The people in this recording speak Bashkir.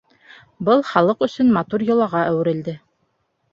Был халыҡ өсөн матур йолаға әүерелде.